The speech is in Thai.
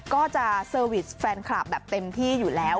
ก็จะเซอร์วิสแฟนคลับแบบเต็มที่อยู่แล้ว